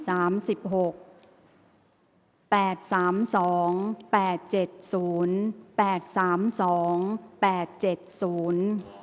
ข่าวแถวรับทีวีรายงาน